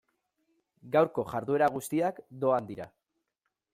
Gaurko jarduera guztiak doan dira.